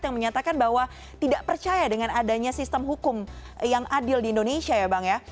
yang menyatakan bahwa tidak percaya dengan adanya sistem hukum yang adil di indonesia ya bang ya